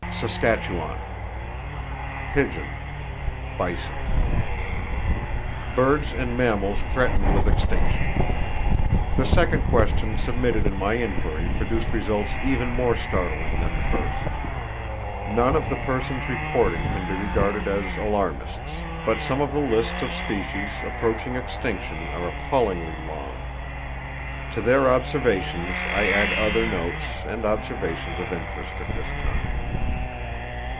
Saskatchewan: Pigeon; bison. Birds And Mammals Threatened With Extinction The second question submitted in my inquiry produced results even more startling than the first. None of the persons reporting can be regarded as alarmists, but some of the lists of species approaching extinction are appallingly long. To their observations I add other notes and observations of interest at this time.